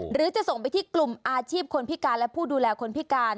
หรือจะส่งไปที่กลุ่มอาชีพคนพิการและผู้ดูแลคนพิการ